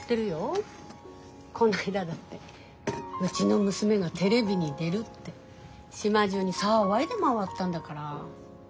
こないだだってうちの娘がテレビに出るって島中に騒いで回ったんだから。